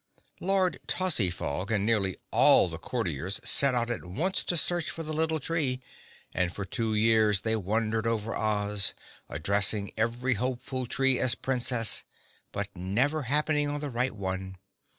Lord Tozzyfog and nearly all the Courtiers set out at once to search for the little tree and for two years they wandered over Oz, addressing every hopeful tree as Princess, but never happening on the right one.